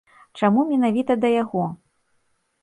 Чаму менавіта да яго?